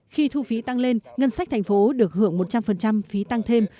khi thu phí tăng lên ngân sách thành phố được hưởng một trăm linh phí tăng thêm